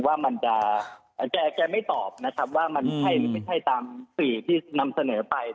ว่ามันจะแกไม่ตอบนะครับว่ามันใช่หรือไม่ใช่ตามสื่อที่นำเสนอไป